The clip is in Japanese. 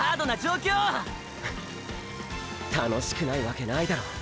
フッ楽しくないわけないだろ。